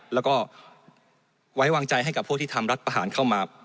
แล้วก็ไว้วางใจให้กับพวกที่ทำรัฐประหารเข้ามา